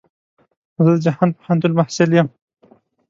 زه د جهان پوهنتون محصل يم.